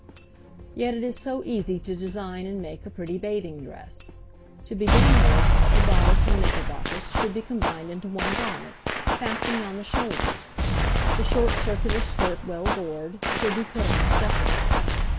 Yet it is so easy to design and make a pretty bathing dress. To begin with, the bodice and knickerbockers should be combined into one garment, fastening on the shoulders; the short circular skirt well gored, should be put on separately.